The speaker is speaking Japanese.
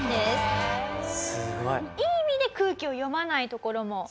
「すごい」いい意味で空気を読まないところも。